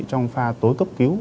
trong pha tối cấp cứu